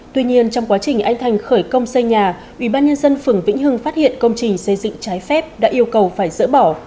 tuy nhiên trong quá trình anh thành khởi công xây nhà ủy ban nhân dân phường vĩnh hưng phát hiện công trình xây dựng trái phép đã yêu cầu phải dỡ bỏ